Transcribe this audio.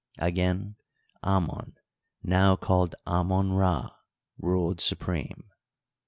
Again, Anton, now called Amon Rd, ruled supreme.